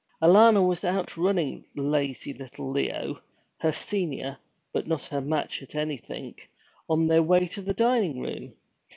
Alanna was outrunning lazy little Leo her senior, but not her match at anything on their way to the dining room.